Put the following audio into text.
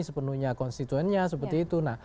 sepenuhnya konstituennya seperti itu